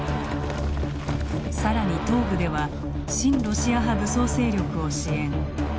さらに東部では親ロシア派武装勢力を支援。